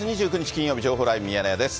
金曜日、情報ライブミヤネ屋です。